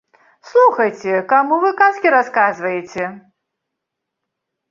Слухайце, каму вы казкі расказваеце?